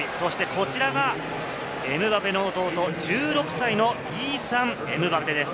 こちらがエムバペの弟、１６歳のイーサン・エムバペです。